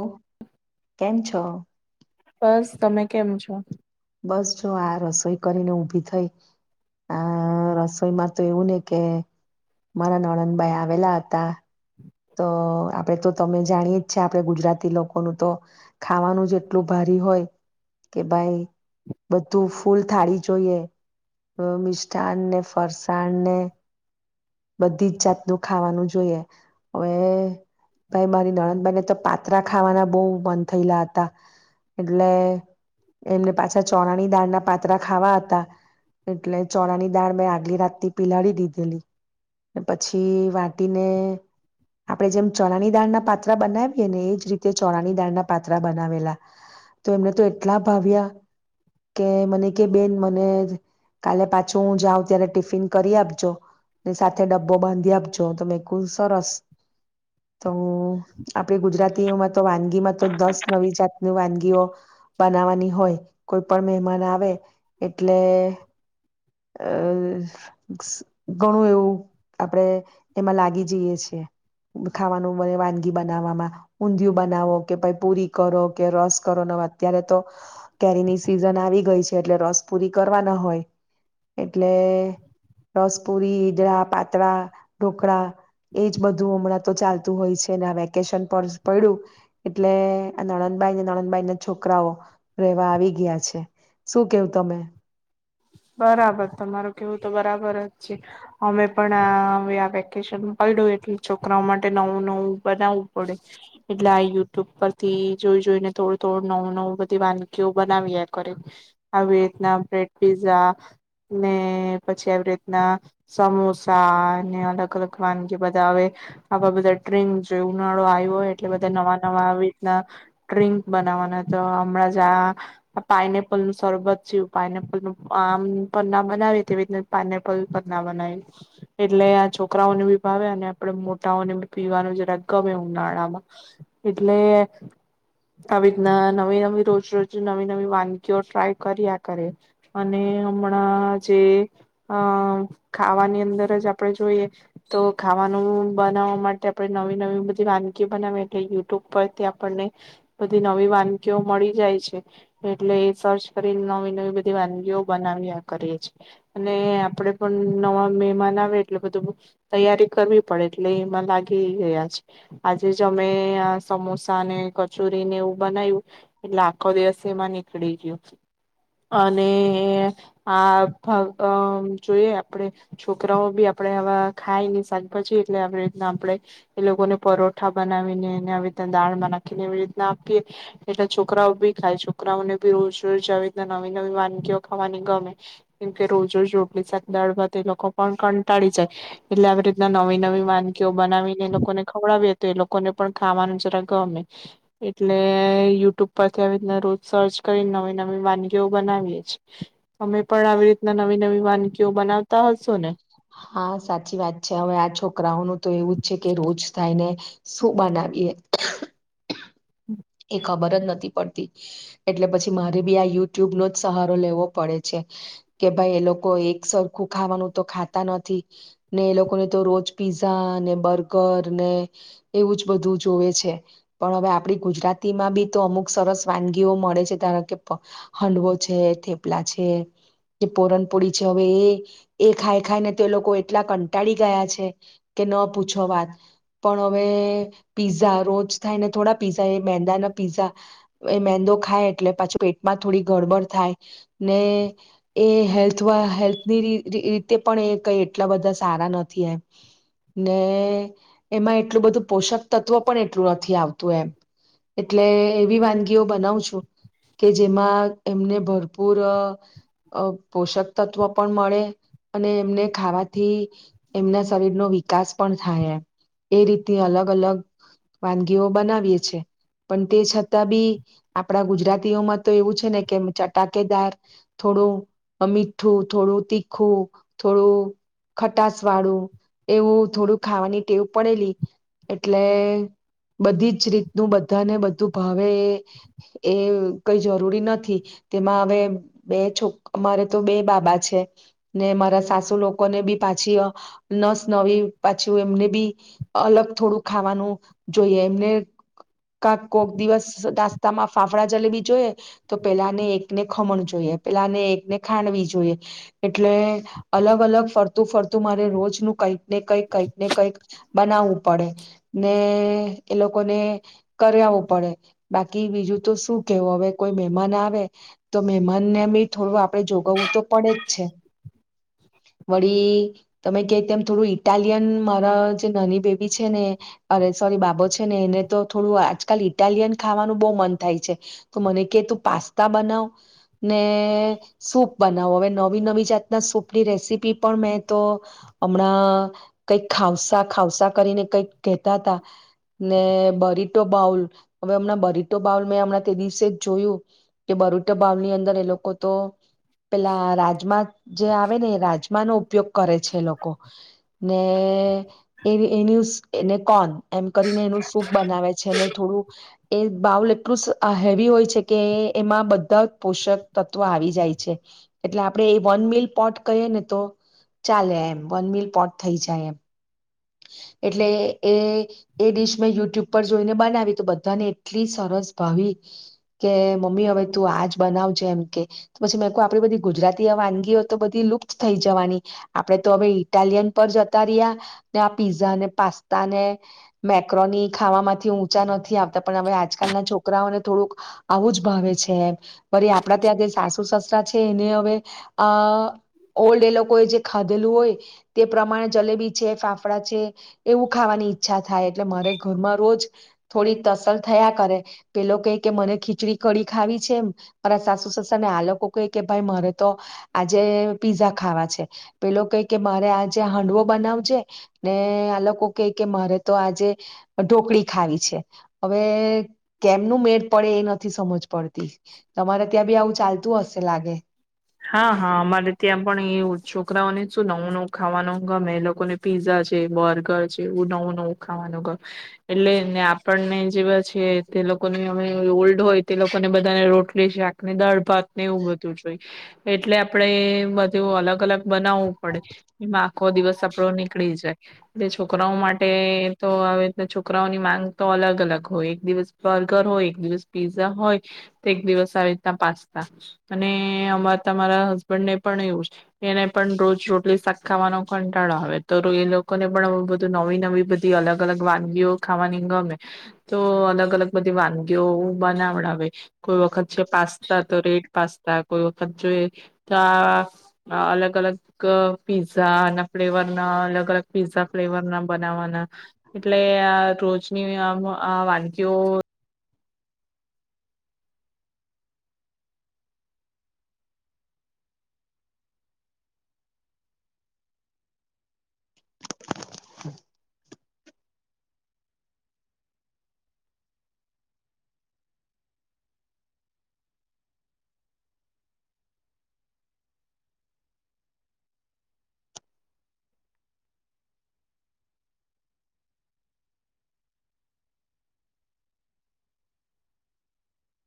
ઓહ! કેમ છો. બસ તમે કેમ છો. બસ જો, આ રસોઈ કરીને ઊભી થઈ. આ રસોઈમાં તો એવું ને કે, મારા નણંદબા આવેલા હતા. તો આપણેે તો તમે જાણીએ જ છે આપણે ગુજરાતી લોકોનું તો ખાવાનું જ એટલું ભારી હોય કે ભાઈ બધું ફૂલ થાળી જોઈએ મિષઠાન ને, ફરસાણ ને બધી જ જાતનું ખાવાનું જોઈએ હવે ભાઈ મારી નણંદભાઈને તો પાત્રરાા ખાવાના બહુ મન થયેલા હતા, એટલે એમને પાછા ચોણાની દાળના પાતરાા ખાવા હતા એટલે ચોણાની દાળ મેં આગલી રાતથી પિલાડી દીધેલી. પછી વાટીને આપડે જેમ ચણાની દાળના પાત્રા બનાવીયએ ને એજ રીતે ચોણાની દાળના પાત્રા બનાવેલા, તો એમને તો એટલા ભાવ્યા કે મને કે બેન મને કાલે પાછું હું જાઉ ત્યારે ટિફિન કરી આપજો. ની સાથે ડબ્બો બાંધી આપજો, તો મેકુ સરસ, તો આપડી ગુજરાતીઓમાં તો વાનગીમાં તો દસ નવી જાતની વાનગીઓ બનાવાની હોય, કોઈ પણ મહેમાન આવે એટલે અ ઘણું એવું આપણેે એમાં લાગી જઈએ છીએ ખાવાનું મને વાનગી બનાવવામાં ઊંધિયું બનાવો કે પહી પૂરી કરો કે રસ કરો અત્યારે તો કેરીની સિઝન આવી ગઈ છે, એટલે રસ પૂરી કરવાના હોય. એટલે રસપુરી, ઈદડા, પાતળા, ઢોકળા, એજ બધું હમણાં તો ચાલતું હોય છેને વેકેશન પર પડ્યું એટલે આ નણંદબાઈ નાણંદબાઈ ના છોકરાઓ રેવા આવી ગયા છે શું કેવું તમે? બરાબર, તમારું કેવું તો બરાબર જ છે. અમે પણ આ હવે આ વેકેશન પડ્યું એટલે છોકરાઓ માટે નવું-નવું બનાવવું પડે એટલે આ યુટ્યુબ પરથી જોઈ-જોઈને થોડું-થોડું નવું-નવું બધી વાનગીઓ બનાવ્યા કરે આવી રીતના પીઝા ને પછી આવી રીતના સમોસા ને અલગ-અલગ વાનગી બધા હવે આવા બધા ડ્રિંક જો ઉનાળો આવ્યો હોય એટલે બધા નવા-નવા આવી રીતના ડ્રિંક બનાવાના તો હમણાં જ આ પાઇનેપલ નું સરબત છે પાનેપ લોકો આમ પન્ના બનાવે તેવી રીતના પાઇનેપલ પર ના બનાવી એટલે આ છોકરાઓને બી ભાવે અને આપણેે મોટાઓનેી પીવાનું જરા ગમે ઉનાળામાં એટલે આવી રીતના નવી નવી રોજ-રોજ, નવી-નવી વાનગીઓ ટ્રાય કર્યા કરે. અને હમણાં જે અ ખાવાની અંદર જ આપણેે જોઈએ તો ખાવાનું બનાવવા માટે આપણે નવી-નવી બધી વાનગીઓ બનાવી એટલે યુટ્યુબ પરથી આપણને બધી નવી વાનગીઓ મળી જાય છે, એટલે સર્ચ કરી નવી નવી બધ વાનગીઓ બનાવી કરીએીએ અને આપડણે પણ નવા મહેમાન આવી એટલે બધું તૈયારી કરવી પડે એટલે એમાં લાગી ગયા છે આજે જ અમે આ સમોસા ને કચોરીને એવું બનાવ્યું એટલે આખો દિવસે એમાં નીકળી ગયો. અને આ જ અ જોઈએ આપણેે છોકરાઓ બી આપડે આવા ખાય ને શાકભાજી એટલે આવી રીતના આપણે એ લોકોને પરોઠા બનાવીનેને આવી રીતના દાળ નાખીને એવી રીતના આપીએ એટલે છોકરાઓ બી ખાય છોકરાઓને બી રોજ-રોજ આવી રીતના નવી-નવી વાનગીઓ ખાવાની ગમે. કેમ કે રોજ-રોજ રોટલી સાક દાળ ભાત તે લોકો પણ કંટાળી જાય એટલે આવી રીતના નવી નવી માનગઓ બનાવીને એનો લોકોને ખવડાવીએ તો એ લોકોને પણ ખાવાનું જરા ગમે એટલે યુટ્યુબ પરથી આવીને રોજ સર્ચ કરી નવી- નવી વાન ગીઓ બનાવીએ અમે પણ આવી રીતના નવી-નવી વાનગીઓ બનાવ હા સાચી વાત છે, હવે આ છોકરાઓનું તો એવું જ છે કે રોજ થાયને શું બનાવીએ એ ખબર જ નથી પડતી, એટલે પછી મારે બી આ યુટ્યુબ નો જ સહારો લેવો પડે છે કે ભાઈ એ લોકો એક સરખું ખાવાનું તો ખાતા નથી ને એ લોકોને તો રોજ પીઝા ને બર્ગર ને એવું જ બધું જોવે છે પણ હવે આપડી ગુજરાત તી માં બી તો અમુક સરસ વાનગીઓ મળે છે ધારો કે હંડવો છે, થેપલા છે, કે પોરનપોળી છે, હવે એ એ ખાય ખાઈને તે લોકો એટલા કંટાળી ગયા છે કે ન પૂછો વાત પણ હવે પીઝા રોજ થાયને થોડા પીઝા એ મેંદા ના પીઝા, એ મેંદો ખાય એટલે પાછું પેટમાં થોડી ગડબડ થાય, ને એ હેલ્થ હેલ્થની રીતે પણ એ કઈ એટલા બધા સારા નથી એમ ને એમાં એટલું બધું પોષક તત્વ પણ એટલું નથી આવતું એમ. એટલે એવી વાનગીઓ બનાવ છું કે જેમાં એમને ભરપૂર પોષક તત્વ પણ મળે અને એમને ખાવાથી એમના શરીર નો વિકાસ પણ થાય એ રીતની અલગ અલગ વાનગીઓ બનાવીએ છે. પણ તે છતાં બી આપડા ગુજરાતીઓમાં તો એવું છે ને કે ચટાકેદાર થોડું મીઠું, થોડું તીખું, થોડું ખટાસ વાળું એવું થોડું ખાવાની ટેવ પડેલી એટલે બધી જ રીત બધાને બધું ભાવે એ અ એ કઈ જરૂરી નથી તેમાં હવે બે છોક અમારે તો બે બાબા છે, ને મારા સાસુ લોકોને બી પાછી નસ નવી પાછી એમને બી અલગ થોડું ખાવાનું જોઈએ એમને કક કોક દિવસ નાસ્તામાં ફાફડા જલેવી જોઈએ તો પેલાને એકને ખમણ જોઈએ પેલાને એકને ખાણવી જોઈએ એટલે અલગ-અલગ, ફરતું-ફરતું મારે રોજ નુ કઈક ને કઈક કઈક ને કઈક બનાવવું પડે. ને એ લોકો ને કર્યાવું પડે બાકી બીજું તો શું કેવો હવે કોઈ મહેમાન આવે તો મહેમાનને બી થોડું આપડે જોગવવું તો પડે જ છે. વળી તમે કે તેમ થોડું ઇટાલિયન મારા જે નાની બેબી છે ને અરે સોરી બાબો છે ને એને તો થોડું આજકાલ ઇટાલિયન ખાવાનું બહુ મન થાય છે તો મને કે તું પાસ્તા બનાવ ને સૂપ બનાવો હવે નવી નવી જાતના સૂપની રેસીપી પણ મેં તો હમણાં કઈક ખઉસા ખઉસા કરીને કઈક કહેતા ત ને બરીટો બાઉલ હવે હમણાં બરીટો બાઉલ મેં હમણાં તે દિવસે જ જોયું કે બરીટો બાઉલ ની અંદર એ લોકો તો પેલા રાજમા જે આવે ને એ રાજમા નો ઉપયોગ કરે છે એ લોકો ને એ એની એને કોન એમ કરીને એનું સૂપ બનાવે છે અનેને થોડું એ બાઉલ એટલું હેવી હોય છે કે એમાં બધા પોષક તત્વો આવી જાય છે એટલે આપણે એ વન મિલ પોટ કહીએ ને તો ચાલે એમ વન મિલ પોટ થઈ જાય એમ. એટલે એ એ ડિશ મેં યુટ્યુબ પર જોઈને બનાવી તો બધાને એટલી સરસ ભાવી કે મમ્મી હવે તું આજ બનાવજે એમ કે પછી મેં કહ આપડી બધી ગુજરાતી વાનગીઓ તો બધી લુપ્ત થઇ જવાની આપડણે તો હવે ઇટાલિયન પર જતા રહ્યા ને આ પીઝા ને પાસ્તા ને મેક્રોની ખાવા થી ઊંચા નથી આવતા પણ હવે આજકાલના છોકરાઓને થોડુંક આવું જ ભાવે છે એ વરી આપડા ત્યાં જે સાસુ સસરા છે. ને હવે આ અ ઓલ્ડ એ લોકો એ જે ખાધેલું હોય તે પ્રમાણે જલેબી છે ફાફ્ ડા એવું ખાવાની ઈચ્છા થાય એટલે મારે ઘરમાં રોજ થોડી તસલ થયા કરે પેલો કહે કે મને ખીચડી કડી ખાવી છે એમ, મારા સાસુ સસુ ને આ લોકો કહે કે ભાઈ મારે તો આજે પીઝા ખાવા છે. પેલો કહે કે મારે આજે હાંડવો બનાવજે ને આ લોકો કે કે મારે તો આજે ઢોકળી ખાવી છે હવે કેમનું મેળ પડે એ નથ થી સમજ પડતી તમારે ત્યાં બી આવ ચાલતું હશે લાગે હા હા અમારે ત્યાં પણ એ છોકરાઓને શું નવું નવું ખાવાનું ગમે એ લોકોને પીઝા છે બર્ગર છે એવું નવું નવું ખાવાનું ગમે એટલે ને આપણને જેવા છે તે લોકોને અમે ઓલ્ડ હોય તે લોકોને બધાને રોટલી શાકને દાળ ભાત ને એવું બધું જોઈ એટલે આપડે બધું અલગ અલગ બનાવવું પડે એમાં આખો દિવસ આપપડો નીકળી જાય. એટલે છોકરાઓ માટે તો આવીના છોકરાઓની માંગ તો અલગ અલગ હોય એક દિવસ બર્ગર હોય એક દિવસ પીઝા હોય તો એક દિવસ આવી રીતના પાસ્તા અને અમા તમારા હસબન્ડ ને પણ એવું એને પણ રોજ રોટલી શાક ખાવાનો કંટાળો આવે તો એ લોકોને પણ બધું નવી નવી બધી અલગ અલગ વાનગીઓ ખાવાની ગમે તો અલગ અલગ બધી વાનગીઓ બનાવડાવે કોઈ વખત છે પા તો રેટ પાસતા કોઈ ઉ જોઈ તો આ અલગ અલગ પીઝા ના ફ્લેવર ના અલગ અલગ પીઝા ફ્લેવર ના બનાવવાના એટલે આ રોજની આમ આ વાનગીઓ [inaudible]